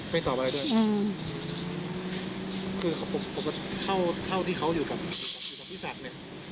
ไม่ตอบอะไรด้วยคือเขาเขาที่เขาอยู่กับพี่สักเนี่ย